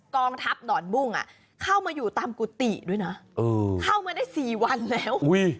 กองทัพดอนบุ้งเข้ามาอยู่ตามกุฏิด้วยนะเข้ามาได้๔วันแล้ว